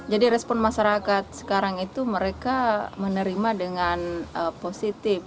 jadi respon masyarakat sekarang itu mereka menerima dengan positif